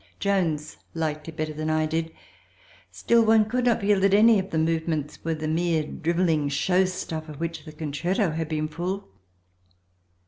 Jones liked it better than I did; still, one could not feel that any of the movements were the mere drivelling show stuff of which the concerto had been full.